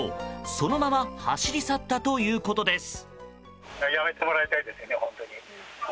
そのまま走り去ったということです。